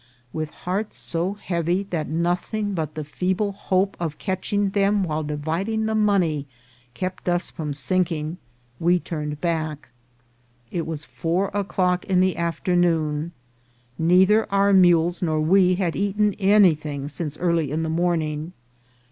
With hearts so heavy that nothing but the feeble hope ' of catching them while dividing the money kept us from sinking, we turned back. It was four o'clock in the af ternoon ; neither our mules nor we had eaten anything since early in the morning.